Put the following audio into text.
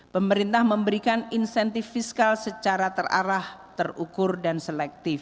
pemerintah memberikan insentif fiskal secara terarah terukur dan selektif